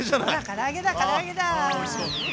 から揚げだから揚げだ！